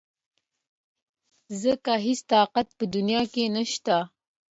ځکه هېڅ طاقت په دنيا کې نشته .